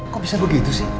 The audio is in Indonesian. kok bisa begitu sih